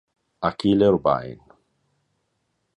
Achille Urbain